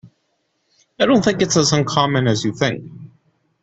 I don't think it's as uncommon as you think.